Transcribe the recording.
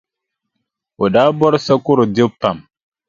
O daa bɔri sakɔro dibu pam.